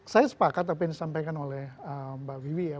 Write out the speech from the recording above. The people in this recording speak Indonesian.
saya sepakat apa yang disampaikan oleh mbak wiwi ya